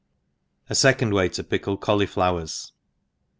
Afecond Way U pickle Caulyflowers.